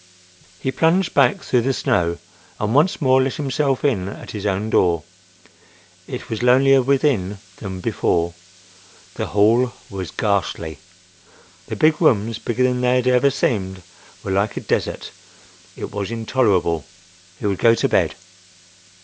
He plunged back through the snow and once more let himself in at his own door. It was lonelier within than before. The hall was ghastly. The big rooms, bigger than they had ever seemed, were like a desert. It was intolerable: He would go to bed.